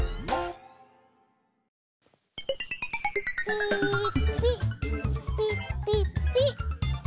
ピーッピッピッピッピッ！